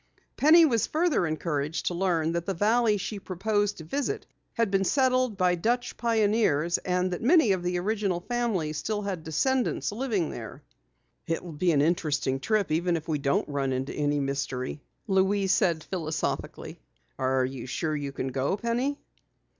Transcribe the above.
Penny was further encouraged to learn that the valley she proposed to visit had been settled by Dutch pioneers and that many of the original families still had descendants living there. "It will be an interesting trip even if we don't run into any mystery," Louise said philosophically. "Are you sure you can go, Penny?"